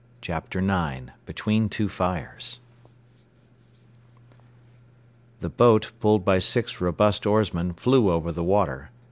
Chapter IX BETWEEN TWO FIRES The boat, pulled by six robust oarsmen, flew over the water.